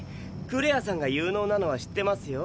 クレアさんが有能なのは知ってますよ。